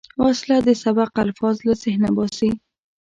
وسله د سبق الفاظ له ذهنه باسي